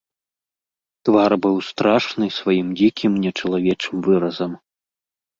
Твар быў страшны сваім дзікім нечалавечым выразам.